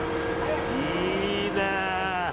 いいねえ。